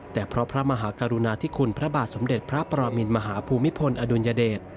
แต่เพราะพระมหากรุณาธิคุณพระบาทสมเด็จพระปรมินมหาภูมิพลอดุลยเดช